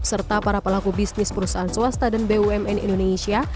serta para pelaku bisnis perusahaan swasta dan bumn indonesia